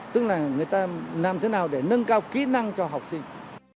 tức là người ta làm thế nào để nâng cao kỹ năng cho học sinh